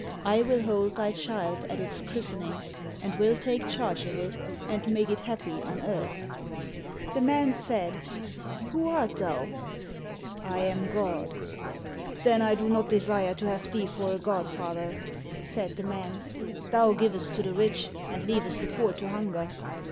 I will hold thy child at its christening, and will take charge of it and make it happy on earth." The man said, "Who art thou?" "I am God." "Then I do not desire to have thee for a godfather," said the man; "thou givest to the rich, and leavest the poor to hunger."